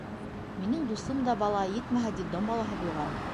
Минең дуҫым да бала, етмәһә, детдом балаһы булған.